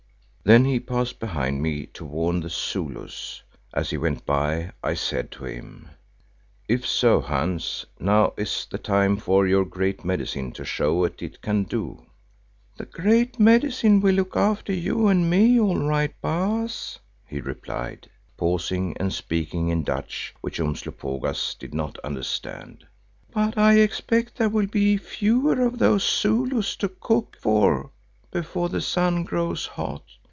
Then he passed behind me to warn the Zulus. As he went by, I said to him, "If so, Hans, now is the time for your Great Medicine to show what it can do." "The Great Medicine will look after you and me all right, Baas," he replied, pausing and speaking in Dutch, which Umslopogaas did not understand, "but I expect there will be fewer of those Zulus to cook for before the sun grows hot.